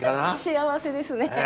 幸せですね。